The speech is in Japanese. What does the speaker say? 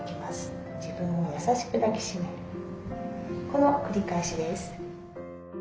この繰り返しです。